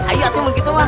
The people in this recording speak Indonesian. ayo atuh menggitu mah